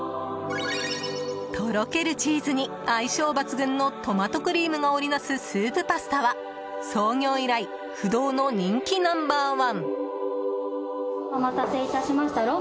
とろけるチーズに相性抜群のトマトクリームが織りなすスープパスタは創業以来、不動の人気ナンバー１。